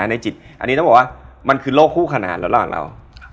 ในจิตอันนี้ต้องบอกว่ามันคือโลกคู่ขนาดระหว่างเรา